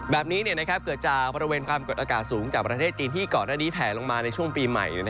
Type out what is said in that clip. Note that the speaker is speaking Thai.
แบบนี้เนี่ยนะครับเกิดจากบริเวณความกดอากาศสูงจากประเทศจีนที่ก่อนอดีตแผลลงมาในช่วงปีใหม่นะครับ